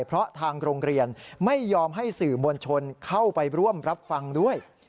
เพราะทางโรงเรียนไม่ยอมให้สื่อมวลชนเข้าไปร่วมรับฟังด้วย